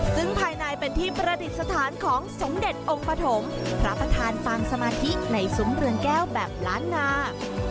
ซึ่งภายในเป็นที่ประดิษฐานของสมเด็จองค์ปฐมพระประธานปางสมาธิในซุ้มเรือนแก้วแบบล้านนา